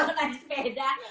kalau naik sepeda